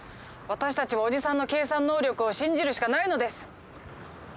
私たちはおじさんの計算能力を信じるしかないのです！